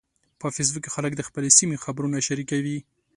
په فېسبوک کې خلک د خپلې سیمې خبرونه شریکوي